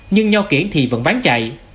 nhưng nho kiện thì vẫn bán chạy